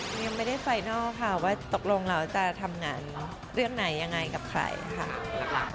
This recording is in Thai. ยังไม่ได้ไฟนัลค่ะว่าตกลงเราจะทำงานเรื่องไหนยังไงกับใครค่ะ